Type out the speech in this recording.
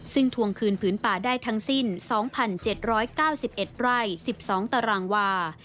ซึ่งทวงคืนผืนป่าได้ทั้งสิ้น๒๗๙๑ไร่๑๒ตารางวา